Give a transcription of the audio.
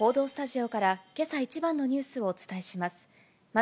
報道スタジオからけさ一番のニュースをお伝えします。